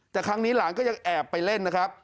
แต่ครั้งนี้หลานก็ยังแอบไปเล่นนะครับ